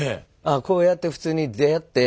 こうやって普通に出会って。